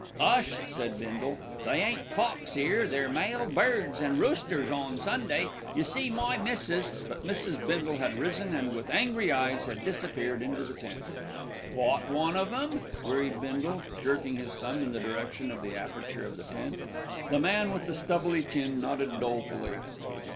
"'Ush!" said Bindle. "They ain't cocks 'ere, they're male birds, an' roosters on Sunday. You see, my missis " but Mrs. Bindle had risen and, with angry eyes, had disappeared into the tent. "Got one of 'em?" queried Bindle, jerking his thumb in the direction of the aperture of the tent. The man with the stubbly chin nodded dolefully.